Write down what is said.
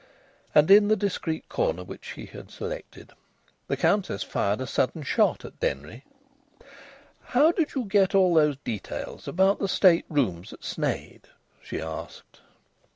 And in the discreet corner which she had selected the Countess fired a sudden shot at Denry. "How did you get all those details about the state rooms at Sneyd?" she asked.